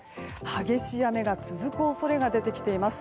激しい雨が続く恐れが出てきています。